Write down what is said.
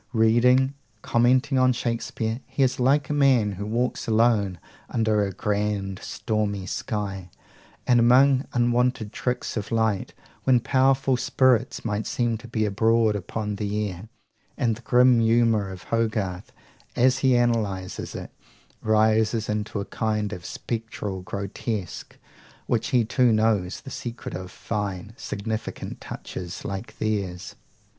Reading, commenting on Shakespeare, he is like a man who walks alone under a grand stormy sky, and among unwonted tricks of light, when powerful spirits might seem to be abroad upon the air; and the grim humour of Hogarth, as he analyses it, rises into a kind of spectral grotesque; while he too knows the secret of fine, significant touches like theirs.